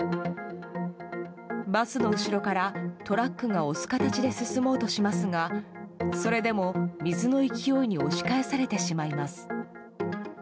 バスの後ろからトラックが押す形で進もうとしますがそれでも水の勢いに押し返されてしまいます。